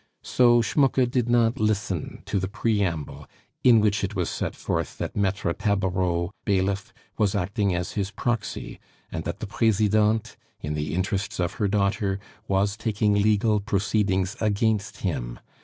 So Schmucke did not listen to the preamble in which it was set forth that Maitre Tabareau, bailiff, was acting as his proxy, and that the Presidente, in the interests of her daughter, was taking legal proceedings against him.